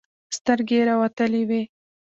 سترګې يې راوتلې وې.